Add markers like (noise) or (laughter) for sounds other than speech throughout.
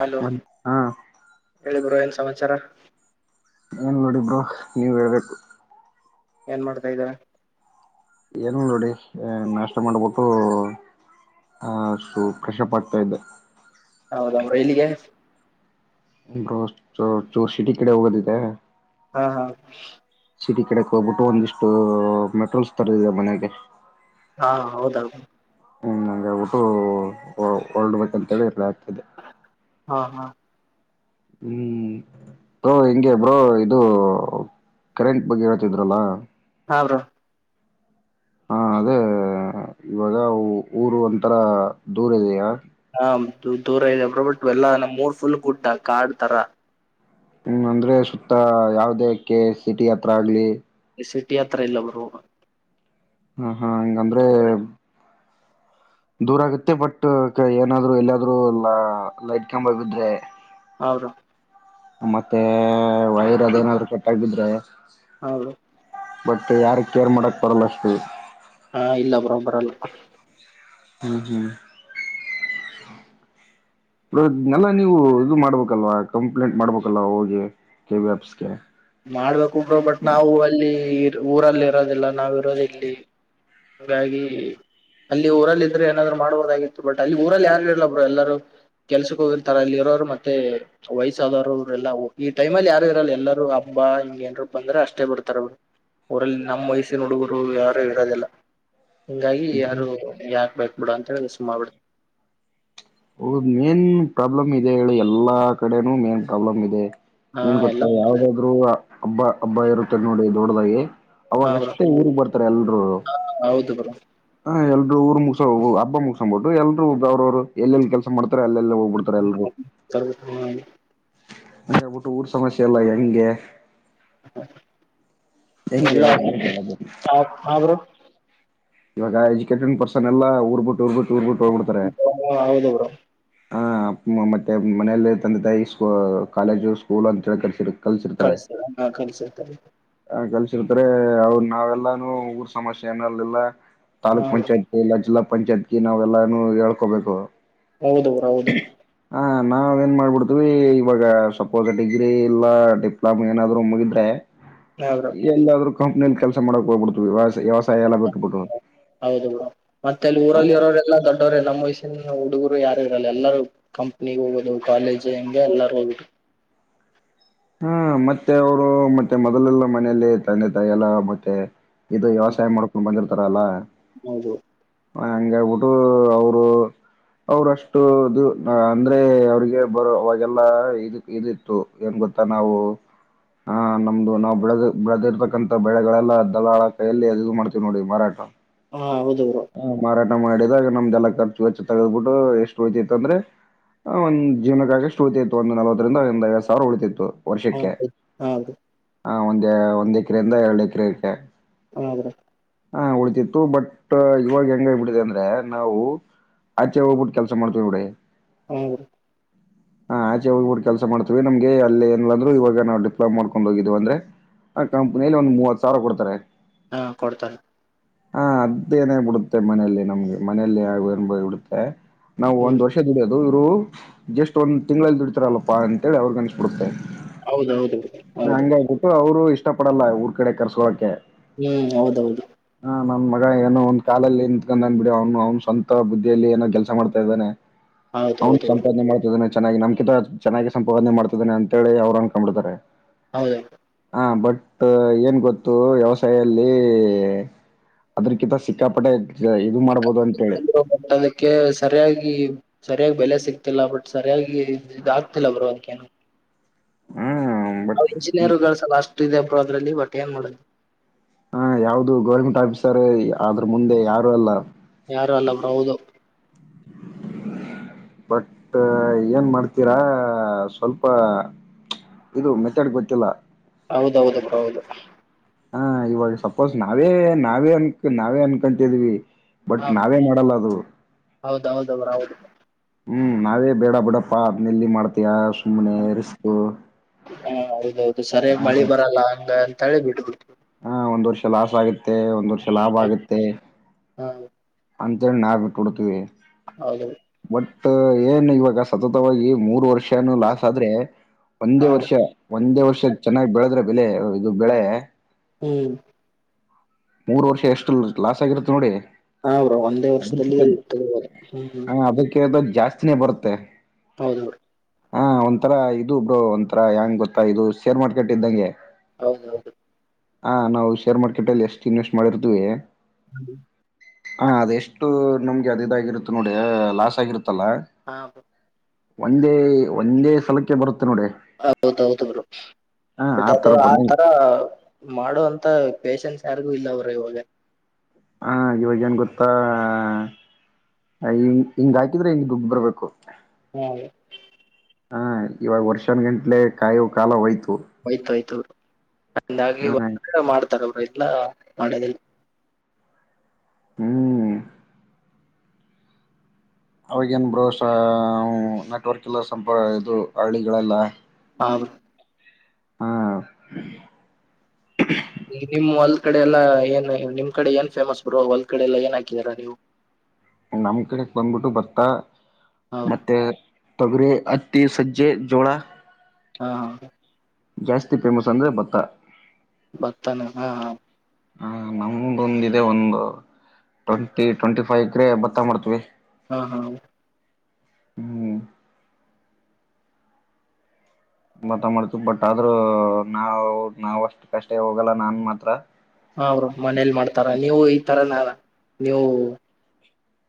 Hello ಮ ಹಾ (inaudible) ಹೇಳಿ ಬ್ರೋ ಏನ್ ಸಮಾಚಾರ ಏನ್ ನೋಡಿ ಬ್ರೋ ನೀವ್ ಹೇಳ್ಬೇಕು ಏನ್ ಮಾಡ್ತಾ ಇದಾರೆ ಏನ ನೋಡಿ ನಾಷ್ಟ ಮಾಡ್ಬಿಟ್ಟು ಹ ಪ್ರೈಶಾಪ್ ಆಗತಾ ಇದೆ ಹೌದ ಬ್ರೋ ಎಲ್ಲಿಗೆ ಬ್ರೋ ಚೂರ್ ಚರು ಸಿಟಿ ಕಡೆ ಹೋಗೋದಿದೆ ಹಾ ಹಾ (unintelligible) ಸಿಟಿ ಕಡೆಕ್ ಹೋಗ್ಬಿಟ್ಟು ಒಂದಿಷ್ಟು ಮೆಟ್ರಲ್ಸ್ ತರದದೆ ಮನೆಗೆ. ಹಾ ಹೌದೌ ಹಂಗೆ ಬಿಟ್ಟು ಹೂ ಹೂರಡಬೇಕಂತೆ ಪ್ಲಾನ್ ಹಾಕಿದ್ದೆ. ಹಾ ಹಾ. ಹ್ಮ್. ಬ್ರೋ ಹಿಂಗೆ ಬ್ರೋ ಇದು ಕರೆಂಟ್ ಬಗ್ಗೆ ಹೇಳ್ತಿದ್ರಲ್ಲ ಹಾ ಬ್ರೋ. ಹಾ ಅದೇ ಇವತ್ತು ಊರು ಒಂತರ ದೂರ ಇದೆಯಾ? ಹಾ ದೂರ ಇದೆ ಬ್ರೋ ಬಟ್ ಎಲ್ಲ ನಮ್ಮ್ ಊರ್ ಫುಲ್ ಗುಡ್ಡ ಕಾಡ ತರಾ ಹ್ಮ್ ಅಂದ್ರೆ ಸುತ್ತ ಯಾವದಕ್ಕೆ ಸಿಟಿ ಹತ್ರ ಆಗ್ಲಿ ಸಿಟಿ ಹತ್ರ ಇಲ್ಲ ಬ್ರೋ. ಹಾ ಹಾ ಹಂಗಂದ್ರೆ ದೂರ ಆಗುತ್ತೆ ಬಟ್ ಏನಾದ್ರು ಎಲ್ಲಾದ್ರೂ ಲೈಟ್ ಕಂಬ ಬಿದ್ರೆ ಹೌದಾ - ಮತ್ತೆ ವೈರ್ ಅದೇನಾದ್ರು ಕಟ್ ಆಗಿ ಬಿದ್ರೆ - ಹೌದು. ಮತ್ತೆ ಯಾರ ಕೇರ್ ಮಾಡಕ್ ಬರಲ್ಲ ಅಷ್ಟೇ. ಹಾ ಇಲ್ಲ ಬ್ರೋ ಬರೋಲ್ಲ. (unintelligible) ಇ ಇದ್ನಲ್ಲ ನೀವು ಇದು ಮಾಡ್ಬೇಕಲ್ವಾ ಕಂಪ್ಲೇಂಟ್ ಮಾಡ್ಬೇಕಲ್ಲ ಹೋಗಿ ಕೆ ವಿ ಆಪ್ಸ್ಗೆ. ಮಾಡ್ಬೇಕು ಬಟ್ ನಾವು ಅಲ್ಲಿ ಊರಲ್ಲಿ ಇರೋದಿಲ್ಲ ನಾವ್ ಇರೋದು ಇಲ್ಲಿ. ಹಿಂಗಾಗಿ ಅಲ್ಲಿ ಊರಲ್ಲಿ ಇದ್ರೆ ಏನಾದ್ರು ಮಾಡ್ಬೋಡ್ದಾಗಿತ್ತು ಬಟ್ ಅಲ್ಲಿ ಊರಲ್ಲಿ ಯಾರು ಇಲ್ಲಬ್ರೋ ಎಲ್ಲಾರೂ ಕೆಲ್ಸಕ್ಕೆ ಹೋಗಿರ್ತರ ಇಲ್ಲಿ ಇರೋರು ಮತ್ತೆ ವಯಸ್ಸಾದರು ಅವ್ರ ಎಲ್ಲ ಈ ಟೈಮ ಅಲ್ಲಿ ಯಾರು ಇರಲ್ಲ ಎಲ್ಲರೂ ಆಫ್ ತುಂಬಾ ಹಿಂಗ ಏನ್ರು ಬಂದ್ರ ಅಷ್ಟೇ ಬಿಡ್ತಾರ್ ಅವರು ಅವರಲ್ಲಿ ನಮ್ಮ್ ವಯಸ್ಸಿನ ಹುಡುಗರು ಯಾರು ಇರೋದಲ್ಲ. ಹಿಂಗಾಗಿ ಯಾರು ಯಾಕ್ ಬೇಕ ಬಿಡು ಅಂತ ಹೇಳಿ ಸುಮ ಆಗಿ ಬಿಡ್ತ ಹೌದ ಮೇನ್ ಪ್ರಾಬ್ಲಮ್ ಇದೆ ಹೇಳಿ ಎಲ್ಲಾ ಕಡೆನೂ ಮೇನ್ ಪ್ರಾಬ್ಲಮ್ ಇದೆ. ಹಾ ಏನ್ ಎಲ್ಲ ಗೊತ್ತಾ ಯಾವದಾದ್ರು ಹಬ್ಬ ಹಬ್ಬ ಇರುತ್ತ ನೋಡಿ ದೊಡ್ದದಾಗಿ ಅವಾಗ ಅಷ್ಟೇ ಊರಿಗ್ ಬರ್ತಾರೆ ಎಲ್ರೂ. ಹಾ ಹೌದು ಬ್ರೋ. ಹ ಎಲ್ಲರೂ ಊರು ಮುಗಸ ಹೋಗ ಹಬ್ಬ ಮುಗಸಕ್ಂಬ ಬಿಟ್ಟು ಎಲ್ರು ಬ ಅವ್ರವ್ರು ಎಲ್ಲೆಲ್ಲಿ ಕೆಲಸ ಮಾಡ್ತಾರೆ ಅಲ್ಲಿಲೆಗ ಬಿಡ್ತಾರೆ ಎಲ್ಲರೂ ಅದ ಬಿಟ್ಟು ಊರ್ ಸಮಸ್ಯೆ ಎಲ್ಲ ಹೆಂಗೆ? ಹೆಂಗ್ ಎಲ್ಲ. ಹೇಳೋದು ಅಂತ ಹೇಳದು (unintelligible) ಇವ ಈ ಎಡಿಕೇಟೆಡ್ ಪರ್ಸನ್ ಎಲ್ಲ ಊರುಬಿಟ್ಟು ಊರ ಬಿಟ್ಟ ಹೋಗಿಬ್ಬಿಡ್ತಾರೆ. ಹಾ ಹೌದು ಬ್ರೋ. ಹ ಮತ್ತೆ ಮನೆಯಲ್ಲಿ ತಂದೆ ತಾಯಿ ಸ್ ಕಾಲೇಜು ಸ್ಕೂಲ್ ಅಂತ ಹೇಳಿ ಕರ್ಸಿರು. ಕಳಸ್ತಾರ ಹಾ ಕಳ್ಸಿರ್ತಾರೆ. ಕಲ್ಸಿರ್ತಾರೆ ಅವ್ರು ನಾವೆಲ್ಲಾನು ಊರ್ ಸಮಸ್ಯೆ ಏನಲಿಲ್ಲ ಹಾ ತಾಲೂಕ್ ಬ್ರೋ ಪಂಚಾಯತ್ ಇಲ್ಲ ಜಿಲ್ಲಾ ಪಂಚಾಯತ್ಗೆ ನಾವೆಲ್ಲಾನು ಹೇಳ್ಕೋಬೇಕು. ಹೌದು ಊರ ಹೌದು. ಹ ನಾವ ಏನ್ ಮಾಡ್ಬಿಡ್ತೀವಿ ಇವಾಗ ಸಪೋಸ್ ಡಿಗ್ರಿ ಇಲ್ಲ ಡಿಪ್ಲೊಮಾ ಏನಾದ್ರು ಮುಗಿದ್ರೆ. ಹಾ ಬ್ರೋ ಎಲ್ಲಾದ್ರೂ ಕಂಪ್ನಿಯಲ್ಲಿ ಕೆಲ್ಸ ಮಾಡಕ್ ಹೋಗ್ಬಿಡ್ತವಿ ವ್ಯ ವ್ಯವಸಾಯ ಎಲ್ಲ ಬಿಟ್ಟಬಿಟ್ಟು. ಹೌದುೌಡ ಮತ್ತೆ ಅಲ್ಲಿ ಊರಲ್ಲಿ ಇರೋರೆಲ್ಲಾ ದೊಡ್ಡ ವ್ರ ನಮ್ಮ್ ವಯಸ್ಸಿನ ಹುಡುಗರು ಯಾರು ಇರಲ್ಲ ಎಲ್ಲಾರೂ ಕಂಪ್ನಿ ಹೋಗೋುದು ಕಾಲೇಜ್ ಹಂಗೆ ಎಲ್ಲರ ಹೋಗಬು ಹಾ ಮತ್ತೆ ಅವರು ಮತ್ತೆ ಮೊದಲೆಲ್ಲ ಮನೇೆಯಲ್ಲಿ ತಂದೆ ತಾಯಿ ಎಲ್ಲ ಮತ್ತೆ ಇದು ವ್ಯವಸಾಯ ಮಾಡ್ಕೊಂಡು ಬಂದಿರ್ತಾರಲ್ಲಾ ಹೌದು ಹಂಗ ಆಬಿಟ್ಟು ಅವರು ಅವ್ರಷ್ಟು ಇದು ಅಂದ್ರೆ ಅವ್ರಿಗೆ ಬರೋ ಅವಾಗೆಲ್ಲ ಇದ ಇದಿತ್ತು ಏನ್ ಗೊತ್ತ ನಾವು ಹಾ ನಮ್ದು ನಾವವು ಬಿಳದ ಬೆಳದಿರ್ತಕ್ಕಂಥ ಬೆಳೆಗಳೆಲ್ಲ ದಲಾಳ ಕೈಯಲ್ಲಿ ಅದು ಮಾಡ್ತೀವಿ್ ನೋಡಿ ಮಾರಾಟ ಹಾ ಹೌದುರು ಹಾ ಮಾರಾಟ ಮಾಡಿದಾಗ ನಮ್ದ ಎಲ್ಲ ಖರ್ಚ ವಚ್ಚು ತಗ್ಬಿಟ್ಟು ಎಷ್ಟು ವಯಚ್ಚ ತಂದ್ರೆ ಆ ಒಂದ್ೀವನಕ್ಕಾಗ ಅಷ್ಟು ಉಳಿತತಿತ್ತು ಒಂದು ನವತ್ತರಿಂದ ಒಂದ ಐ ಸಾವಿರ ಉಳಿತಿತ್ತು ಹಾ ವರ್ಷಕ್ಕೆ ಹಾ ಬ್ರೋ ಹಾಂ ಒಂದು ಒಂದು ಎಕ್ರೆಯಿಂದ ಎರಡು ಎಕರೆಕ್ಕೆ ಹೌದ್ರೀ ಹಾ ಉಳತಿತ್ತು ಬಟ್ ಇವಾಗ ಹೆಂಗಬಿಟ್ಟಿದೆ ಅಂದ್ರೆ ನಾವು ಆಚೆ ಹೋಗ್ಬಟ್ಟ ಕೆಲಸ ಮಾಡ್ತವಿ ಇಡಡೆ ಹೌ ರೀ ಹಾ ಆಚೆ ಹೋಗ್ಬಿಟ್ಟ ಕೆಸ ಮಾಡ್ತೀವಿ ನಮಗೆ ಅಲ್ಲಿಏನ್ ಅಂದ್ರರುವ ನಾವು ಡಿಪ್ಲಮ ಮಾಡ್ೊಂಡು ಹೋಗಿದೀ ಅಂದ್ರೆ ಆ ಕಂಪ್ನಿಯಲ್ಲಿ ಒಂದು್ ಮೂವತ್ ಸಾವಿರ ಕೊಡ್ತಾರೆ ಹಾ ಕೊಡ್ತಾರೆ ಹಾ ಅದೇನೇ ಬಿಡುತ್ತೆ ಮನೆಯಲ್ಲಿ ನಮ್ಗೆ ಮನೆಯಲ್ಲಿ ಯ ಏನುಬಡುತ್ತೆ ನಾವು ಒಂದು ಹ್ಮ್ ವರ್ಷ ದುಡಿಯೋದು ಇವರು ಜಸ್ಟ್ ಒಂದು ತಿಂಗಳಲ್ಲಿ ದುಡ್ತಾರಲ್ಲಪ್ಪ ಅಂತೇಳಿ ಅವ್ರಿಗೆ ಅನ್ಿಸಬಿಡುತ್ತೆ ಹೌದೌದು ಬ್ರೋ ಹೌದು ಹಂಗ ಆಬಟ್ಟು ಅವರು ಇಷ್ಟ ಪಡಲ್ಲ ಊರ್ ಕಡೆ ಕರ್ಸ್ಕೋಕೆ ಹ್ಮ್ ಹೌದೌದು ಹಾ ನನ್ ಮಗ ಏನೋ ಒಂದ್ ಕಾಲಲ್ಲಿ ನಿಂತ್ಕೊಂಡ್ಂದ್ ಬಿಡಿ ಅವ್ನು ಅವ್ನು ಸ್ವಂತ ಬುದ್ಧಿಯಲ್ಲಿ ಏನೋ ಕೆಲಸ ಮಾಡ್ತಾ ಇದ್ದಾನೆ (inaudible) ಅವನ್ ಬ್ರೋ ಸಂಪಾದನೆ ಮಾಡ್ತಿದ್ದಾನೆ ಚೆನ್ನಾಗಿ ನಮ್ಕಿಂತ ಚೆನ್ನಾಗಿ ಸಂಪಾದನೆ ಮಾಡ್ತಿದ್ದಾನೆ ಅಂತ ಹೇಳಿ ಅವ್್ರನ್ ಕಕೊಂಡ್ಿಡ್ತಾರೆ ಹೌದ ಹಾ ಬಟ್ ಏನ್ ಗೊತ್ತು ವ್ಯವಸಾಯದಲ್ಲಿ ಅದ್ರಕಿಂತ ಸಿಕ್ಕಾಪಟೆ ಇದು ಮಾಡ್ಬೋದು ಅಂತೇಳಿ ಬ ಅದಕ್ಕೆ ಸರಿಯಾಗಿ ಸರಿಯಾಗಿ ಬೆಲೆ ಸಿಕ್ತಿಲ್ಲ ಬಟ್ ಸರಿಯಾಗಿ ಇದ ಆಗ್ತಿಲ್ಲ ಬರುವೋದಕೇನ ಹ್ಮ ನಾವು ಇಂಜಿನಿಯಯರ್ಗಳು ಸಲ ಅಷ್ಟ ಇದೆ ಬ್ರೋ ಅದ್ರಲ್ಲಿ ಒಟ್ಟಟ್ ಏನ್ ಮಾಡೋದು ಹಾ ಯಾವ್ದು ಗೌರ್ಮೆಂಟ್ ಆಫೀಸರ್ ಅದ್ರ ಮುಂದೆ ಯಾರು ಅಲ್ಲ ಯಾರು ಅಲ್ಲ ಬ್ರೌದು ಬಟ್ ಏನ್ ಮಾಡ್ತೀರಾ ಸ್ವಲ್ಪ ಇದು ಮೆತಡ್ ಗೊತ್ತಿಲ್ಲ ಹೌದೌದು ಹೌದು ಹ ಇವಾಗ ಸಪೋಸ್ ನಾವೇ ನಾವೇ ಅನ್ಕ ನಾವೇ ಅನ್ಕಂತಿದ್ವಿ ಬಟ್ ನಾವೇ ಮಾಡಲ್ಲ ಅದು ಹೌದ ಹೌದ ಬ್ರ ಹೌದು ಹ್ಮ್ ನಾವೇ ಬೇಡ ಬಿಡಪ್ಪಾ ಅದ್ನೆಲ್ಲಿ ಮಾಡ್ತಯ ಸುಮಮ್ಮ್ನೆ ರಿಸ್ತು ಹಾ ಹೌದೌದು ಸರಿಯಾಗಿ ಮಳಿ ಬರಲ್ಲ ಹಂಗ ಅಂತ ಹೇಳಿ ಬಿಡ್ಬಿಟ್ಟು ಹಾ ಒಂದ್ ವರ್ಷ ಲಾಸ್ ಆಗುತ್ತೆ ಒಂದ್ ವರ್ಷ ಲಾಭ ಆಗುತ್ತೆ (unintelligible) ಅಂತೇಳಿ ನಾವು ಬಿಟ್ಟು ಬಿಡ್ತೀವಿ (unintelligible) ಒಟ್ ಏನ್ ಇವಾಗ ಸತತವಾಗಿ ಮೂರ್ ವರ್ಷನು ಲಾಸ್ ಆದ್ರೆ ಒಂದೇ ಹ ವರ್ಷ ಒಂದೇ ವರ್ಷ ಚೆನ್ನಾಗ್ ಬೆಳದ್ರೆ ಬೆಲೆ ಇದು ಬೆಳೆ ಹ್ಮ್ ಮೂರು ವರ್ಷ ಎಷ್ಟು ಲಾಸ್ ಆಗಿರುತ್ತೆ ನೋಡಿ ಹ ಬ್ರೋ ಒಂದೇ ವರ್ಷದಲ್ಲಿ ಅದಕ್ಕಿಂತ ತಗಿಬೋಧು ಹ್ಮ್ ಹ್ಮ್ (unintelligible) ಜಾಸ್ತಿನೇ ಬರುತ್ತೆ ಹೌದೌದು ಹಾ ಒಂಥರಾ ಇದು ಬ್ರೋ ಒಂಥರಾ ಹೆಂಗ್ ಗೊತ್ತಾ ಇದು ಶೇರ್ ಮಾರ್ಕೆಟ್ ಇದ್ದಂಗೆ ಹೌದೌದು ಹಾ ನಾವು ಶೇರ್ ಮಾರ್ಕೆಟ್ ಅಲ್ಲಿ ಎಷ್ಟು ಇನ್ವೆಸ್ಟ್ ಮಾಡಿರ್ತೀವಿ (inaudible) ಹಾ ಅದೆಷ್ಟು ನಮ್ಗೆ ಅದ ಇದಾಗಿರುತ್ತ ನೋಡಿ ಲಾಸ್ ಆಗಿರುತ್ತಲ್ಲ ಹಾ (inaudible) ಒಂದೇ ಒಂದೇ ಸಲಕ್ಕೆ ಬರುತ್ತೆ ನೋಡಿ ಹೌದೌದು ಬ್ರೋ ಹ ಬಟ್ ಅದು ಆತರ ಆ ಬಂದ ತರ ಮಾಡುವ ಅಂತ ಪೇೇಶನ್ಸ್ ಯಾರಿಗು ಇಲ್ಲ ಬ್ರೋ ಇವಾಗ ಹ ಇವಾಗ ಏನ್ ಗೊತ್ತಾ ಹ ಹಿಂಗ್ ಹಿಂಗೆ ಹಾಕಿದ್ರೆ ದುಡ್ಡು ಬರ್ಬೇಕು (unintelligible) ಹ ಇವಾಗ ವರ್ಷನ್ ಗಂಟ್ಲೆ ಕಾಯುವ ಕಾಲ ಹೋಯ್ತು ಹೋಯಿತು ಹೋಯಿತು ಬ್ರೋ ಹಂಗಾಗಿ ಹ ಇವತ್ತು ವಿಡಿಯೋ ಮಾಡ್ತಾರೆ ಬ್ರೋ ಇಲ್ಲ ಮಾಡೋದಿಲ್ಲ ಹ್ಮ್ ಅವಾಗೇನ್ ಬ್ರೋ ಸಾ ನೆಟ್ವರ್ಕ್ ಇಲ್ಲ ಸಂಪ ಇದು ಹಳ್ಳಿಗಳೆಲ್ಲ ಹಾ ಬ್ರೋ ಹಾ ನಿಮ್ಮ್ ಹೊಲದ ಕಡೆ ಎಲ್ಲಾ ಏನ್ ನಿಮ್ ಕಡೆ ಏನ್ ಫೇಮಸ್ ಬೋ ಒಲ್ ಕಡೆ ಎಲ್ಲ ಏನ್ ಹಾಕಿದಾರಾ ನೀವು ನಮ್ ಕಡೆಕ್ ಬಂದ್ಬಿಟ್ಟು ಭತ್ತ ಹಾ ಬ್ರೋ ಮತ್ತೆ ತೊಗರಿ ಹತ್ತಿ ಸಜ್ಜೆ ಜೋಳ ಹಾ ಜಾಸ್ತಿ ಫೇಮಸ್ ಅಂದ್ರೆ ಭತ್ತ ಬರ್ತಾನ ಹಾ ಹ ಹ ನಮ್ದೊಂದ ಇದೆ ಒಂದು ಟ್ವೆಂಟಿ ಟ್ವೆಂಟಿ ಫೈ ಎಕರೆ ಭತ್ತಾ ಮಾಡ್ತೀವಿ ಹಾ ಹಾ ಹ್ಮ್ ಭತ್ತ ಮಾಡ್ತೀವಿ ಬಟ್ ಆದ್ರೂ ನಾವು ನಾವ್ ಅಷ್ಟು ಕಷ್ಟೇ ಹೋಗಲ್ಲ ನಾನ್ ಮಾತ್ರ ಹ ಬ್ರೋ ಮನೇಲಿ ಮಾಡ್ತಾರ ನೀವು ಈ ತರನ ನೀವು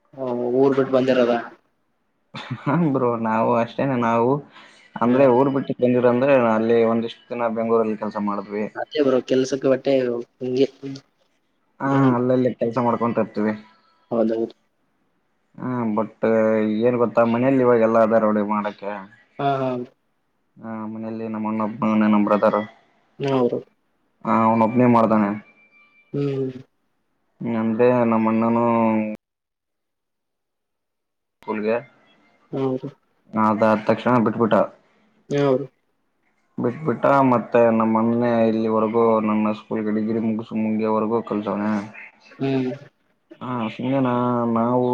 (inaudible) ಊರ್ ಬಿಟ್ಟು ಬಂದಿರದ ಹೂ ಬ್ರೋ ನಾವು ಅಷ್ಟೇನೆ ನಾವು ಅಂದ್ರೆ ಹ್ಮ್ ಊರ್ ಬಿಟ್ ಬಂದಿರಂದ್ರೆ ಅಲ್ಲಿ ಒಂದಿಷ್ಟ್ ದಿನ ಬೆಂಗಳೂರಲ್ಲಿ ಕೆಲಸ ಮಾಡಿದ್ವಿ ಅದ್ಕೆ ಬ್ರೋ ಕೆಲ್ಸಕ್ಕೆ ಬಟ್ಟೆ ಹಗೆ ಹ್ಮ್ (unintelligible) ಕೆಲಸ ಮಾಡ್ಕೊಂತ ತರ್ತೀವಿ ಹೌದೌದು ಹ್ಮ ಬಟ್ ಏನ್ ಗೊತ್ತಾ ಮನಲಿ ಇವಾಗ ಎಲ್ಲ ಅದ ರೋಡಿ ಮಾಡಕ್ಕೆ. ಹಾ ಹಾ. ಹ ಮನೆಯಲ್ಲಿ ನಮ್ಮಣಬ್ಬನೆ ಅದಾನೆ ನಮ್ಮ್ ಬ್ರದರು. ಹೌದು ಹಾ ಅವ್ನ ಒಬ್ನೇ ಮಾಡ್ತಾನೆ. ಹ್ಮ್ ಅಂದೇ ನಮ್ಮಣ್ಣನು. ಪುಲಗ್ಯ. ಹೌದು ಹ ಅದಾದ್ ತಕ್ಷಣ ಬಿಟ್ಬಿಟ್ಟವ್. ಯಾರು. ಬಿಟ್ಬಿಟ್ಟ ಮತ್ತೆ ನಮ್ಮ ಅಣ್ಣನೆ ಇಲ್ಲಿವರೆಗೂ ನನ್ನ ಸ್ಕೂಲ್ಗೆ ಡಿಗ್ರಿ ಮುಗಸು ಮುಗಿಯವರೆಗೂ. ಕಲ್ದವ್ನೆ. ಹ್ಮ್ ಹಾ ಸುಮ್ನೆ ನಾ ನಾವು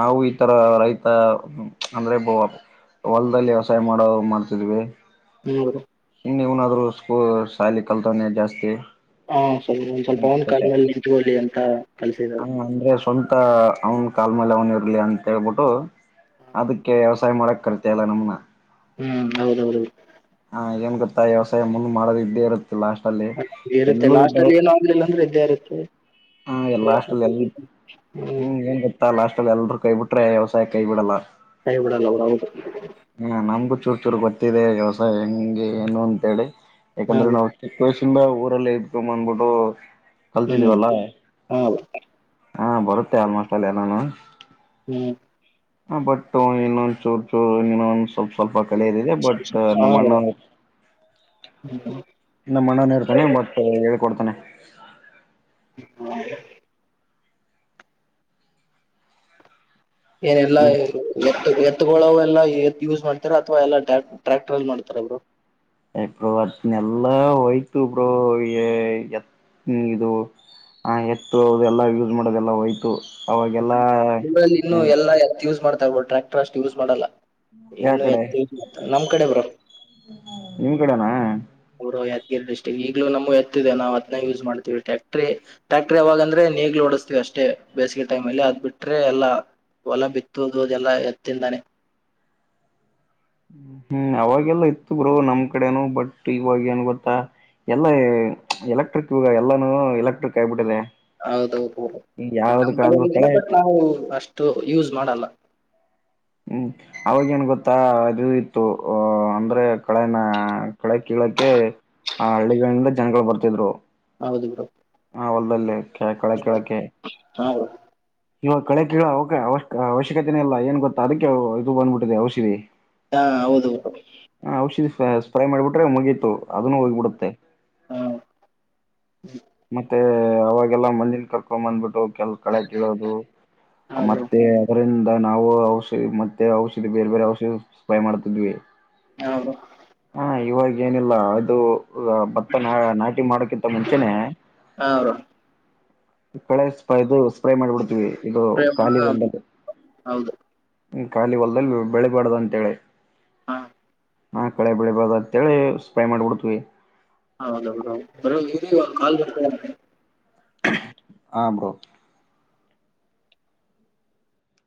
ನಾವು ಈತರ ರೈತ ಅಂದ್ರೆ ಬೋ ಹೊಲದಲ್ಲಿ ವ್ಯವಸಾಯ ಮಾಡೋದ್ ಮಾಡ್ತಿದ್ವಿ. ಹ್ಮ್ ಇನ್ನು ಇವನಾದ್ರು ಸ್ಕೂ ಶಾಲಿ ಕಲ್ತಾನೆ ಜಾಸ್ತಿ. ಹಾ ಸ್ವಲ್ ಒಂದ್ ಸ್ವಲ್ಪ ಅವ್ ಕಾಲ್ ಮೇಲ್ ನಿಂತುಗೊಳ್ಳಿ ಅಂತ ಕಲ್ಸಿ ಅಂದ್ರೆ ಸ್ವಂತ ಅವನ್ ಕಾಲ ಮೇಲೆ ಅವನ ಇರ್ಲಿ ಅಂತ ಹೇಳ್ಬಿಟ್ಟು. ಅದಕ್ಕೆ ವ್ಯವಸಾಯ ಮಾಡಕ್ ಕರ್ತಲ್ಲ ನಮ್ನ. ಹ್ಮ್ ಹೌದೌದೌದು. ಹ ಏನ್ ಗೊತ್ತಾ ವ್ಯವಸಾಯ ಮುಂದ್ ಮಾಡೋದ ಇದ್ದೇ ಇರುತ್ತೆ ಲಾಸ್ಟ್ ಅಲ್ಲಿ ಎಲ್ಲೂ ಗ. ಲ್ಲ ಅಂದ್ರೆ ಇದ್ದೇ ಇರುತ್ತೆ. ಹಾ ಎಲ್ಲಾ ಪ್ರಯತ್ನ ಅಷ್ಟಲ್ಲಿ ಎಲ್ಲಿ ಪಡುವಂತೆ. ಹ್ಮ್ ಏನ್ ಗೋ ತ್ತ ಲಾಸ್ಟ್ ಅಲ್ಲಿ ಎಲ್ರೂ ಕೈ ಬಿಟ್ರೆ ವ್ಯವಸಾಯ ಕೈ ಬಿಡಲ್ಲ. ಕೈ ಬಿಡಲ್ಲ ಹೌದ್ ಹೌದು. ಹ್ಮ ನಮ್ಗೂ ಚೂರು ಚೂರ್ ಗೊತ್ತಿದೆ ವ್ಯವಸಾಯ ಹೆಂಗೆ ಏನು ಅಂತೇಳಿ ಹಾ ಯಾಕಂದ್ರೆ ಬ್ರೋ ನಾವು. ಚಿಕ್ ವಯಸ್ಸಿಂದ ಊರಲ್ಲಿ ಇದ್ಕೊಂದ್ ಬಂದ್ಬಿಟ್ಟು. ಹ್ಮ್ ಕಲ್ತಿದೀವಲ್ಲ ಹ. ಹಾ ಬರುತ್ತೆ ಆಲ್ಮೋಸ್ಟ್ ಆಲ್ ಎಲ್ಲಾನು. ಹ್ಮ್ ಬಟ್ ಇನ್ನೊಂದ್ ಚೂರ್ ಚೂರು ಇನ್ನೊಂದ ಸ್ವಲ್ಪ ಸ್ವಲ್ಪ ಕಲಿಯದಿದೆ ಬಟ್ ನಮ್ಮಣ್ಣ. ಹ್ಮ ಹ್ಮ. ನಮ್ ಅಣ್ಣನು ಇರ್ತಾನೆ ಬಟ್ ಹೇಳ್ಕೊಡ್ತಾನೆ. (unintelligible) ಏನೆಲ್ಲಾ. (unintelligible) ಎತ್ತು ಗೊಳ ಅವು ಎಲ್ಲಾ ಯೂಸ್ ಮಾಡ್ತಾರ ಅಥವಾ ಎಲ್ಲ ಟ್ರ್ಯಾಕ್ಟರ್ ಅಲ್ಲಿ ಮಾಡ್ತಾರೆ ಬ್ರೋ. (unintelligible) ನೆಲ್ಲೋ ಹೋಯ್ತೀವಿ ಬಿಡು ಹೇ ಎತ್ ಹ್ಮ್ ಇದು. ಹಾ ಎತ್ತು ಅವೆಲ್ಲಾ ಯೂಸ್ ಮಾಡೋದೆಲ್ಲ ಹೋಯ್ತು. ಅವಾಗೆಲ್ಲಾ ನಿಮ್ಮಲ್ ಇನ್ನು ಎಲ್ಲ ಎತ್ ಯೂಸ್ ಮಾಡ್ತಾರ್ ಬ್ರೋ ಟ್ರ್ಯಾಕ್ಟರ್ ಅಷ್ಟು ಯೂಸ್ ಮಾಡಲ್ಲ. ಯಾವ ಇನ್ನು ಕಡೆ ಎತ್ (unintelligible) ನಮ್ ಕಡೆ ಬರೋ. ನಿಮ್ ಕಡೆನಾ. ಊರು ಯಾದ್ಗೀರಿ ಡಿಸ್ಟಿಕ್ ಈಗ್ಲೂ ನಮ ಎತ್ತಿದೆ ನಾವು ಅದನ್ನೇ ಯೂಸ್ ಮಾಡ್ತೀವಿ ಟ್ಯಾಕ್ಟ್ರಿ. ಟ್ರ್ಯಾಕ್ಟ್ರ ಯಾವಾಗ ಅಂದ್ರೆ ನೇಗಿಲು ಓಡಿಸಸ್ತೀವಿ ಅಷ್ಟೇ ಬೇಸಿಗೆ ಟೈಮ ಅಲ್ಲಿ ಅದ್ ಬಿಟ್ರೆ ಎಲ್ಲಾ. ಹೊಲ ಬಿತ್ತುದು ಅದೆಲ್ಲಾ ಎತ್ತಿಂದಾನೆ ಹ್ಮ್ ಅವಾಗೆಲ್ಲಾ ಇತ್ತು ಬ್ರೋ ನಮ್ ಕಡೆನು ಬಟ್ ಇವಾಗ ಏನ್ ಗೊತ್ತಾ. ಎಲ್ಲಾ ಎಲೆಕ್ಟ್ರಿಕ್ ಯುಗಾ ಎಲ್ಲಾನು ಎಲೆಕ್ಟ್ರಿಕ್ ಆಗಿಬಿಟ್ಟಿದೆ. ಹೌದೌದು ನಮ್ ಕಡೆ ಇದೇ ಕಳೆ ಬಟ್ ನಾವು ಅಷ್ಟು ಯೂಸ್ ಮಾಡಲ್ಲಾ ಹುಂ ಅವಾಗೇಏನ್ ಗೊತ್ತಾ ಅದು ಇತ್ತು ಅ ಅಂದ್ರೆ ಕಳೆನ ಕಳೇ ಕೀಳಕ್ಕೆ ಆ ಹಳ್ಳಿಗಳಿಂದ ಜನಗಳು ಬರ್ತಿದ್ರು ಹೌದು ಬ್ರೋ ಆ ಹೊಲ್ದಲ್ಲಿ ಕಿಳ ಕೆಳೇ ಕಿಳಕ್ಕೆ ಹಾ ಬ್ರೋ ಇವಾಗ ಕಳೆ ಕೀಳೊ ಅವಶ್ಯಕತೆ ಇಲ್ಲಾ ಏನ್ ಗೊತ್ತಾ ಅದಕ್ಕೆ ಇದು ಬಂದ್ಬಿಟ್ಟಿದೆ ಔಷಧಿ ಹಾ ಹೌದು ಹ ಔಷಧಿ ಸ್ಪ್ರೇ ಮಾಡಿಬಿಟ್ರೆ ಮುಗೀತು ಅದನ್ನು ಹೋಗಿಬಿಡುತ್ತೆ. ಹಾ ಮತ್ತೆ ಅವಾಗೆಲ್ಲಾ ಮಂದಿನ್ ಕರ್ಕೊಂಡ್ ಬಂದ್ಬಿಟ್ಟು ಕೆಲ ಕಳೇ ಕಿಳೋದು ಹಾ ಬ್ರೋ ಮತ್ತೆ ಅದರಿಂದ ನಾವು ಔಷಧಿ ಮ ಔಷಧಿ ಬೇರೆ ಬೇರೆ ಔಷಧಿ ಸ್ಪೇ ಮಾಡ್ತಿದ್ವಿ. ಹೌದು ಹಾ ಇವಾಗೇ ಏನಿಲ್ಲಾ ಅದು ಭತ್ತ ನಾ ನಾಟಿ ಮಾಡಕಿಂತ ಮುಂಚೆನೆ ಹಾ ಬ್ರೋ ಕಳೆ ಸ್ಪೈಇದು ಸ್ಪ್ರೇ ಮಾಡ್ ಬಿಡ್ತೀವಿ ಇದು ಪ್ರೇಮ ಖಾಲಿ ಹಾ ಹೊಲ ಹೌದು ದಲ್ಲಿ ಖಾಲಿ ಹೊಲ್ದಲ್ಲಿ ಬೆಳಿಬಾರಡ್ದ ಅಂತ ಹೇಳಿ ಹಾ ಕಳೆ ಬೆಳೆ ಬಾರದ ಅಂತೇಳಿ ಸ್ಪ್ರೈ ಮಾಡ್ ಬಿಡ್ತೀವಿ ಈಗ ಹೌದ ಹೌದು ಬ್ರೌ ಇರಿ ಕಾಲ್ ಬರ್ತಾ ಇದೆ. ಹಾ ಬ್ರೋ